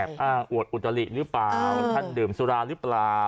อ้างอวดอุตลิหรือเปล่าท่านดื่มสุราหรือเปล่า